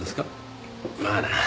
まあな。